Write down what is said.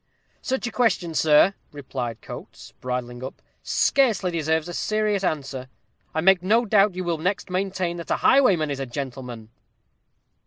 "Such a question, sir," replied Coates, bridling up, "scarcely deserves a serious answer. I make no doubt you will next maintain that a highwayman is a gentleman."